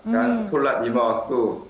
dan sholat lima waktu